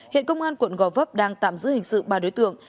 hiện công an quận gò vấp đang tạm giữ hình sự ba đối tượng